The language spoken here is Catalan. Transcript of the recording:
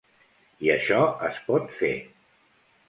I això es pot fer.